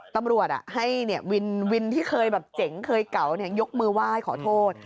ตำรวจให้วินที่เคยแบบเจ๋งเคยเก่ายกมือไหว้ขอโทษ